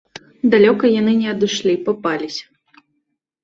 Далёка яны не адышлі, папаліся.